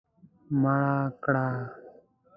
مړه کړه